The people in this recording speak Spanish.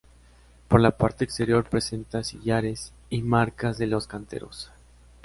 Por la parte exterior presenta sillares y marcas de los canteros.